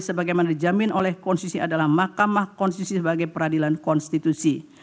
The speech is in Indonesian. sebagaimana dijamin oleh konstitusi adalah mahkamah konstitusi sebagai peradilan konstitusi